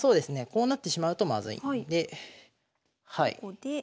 こうなってしまうとまずいのでここで。